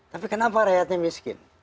tapi kenapa rakyatnya miskin